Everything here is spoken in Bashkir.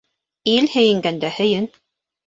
Ил һөйөнгәндә һөйөн.